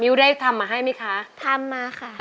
ได้ทำมาให้ไหมคะทำมาค่ะ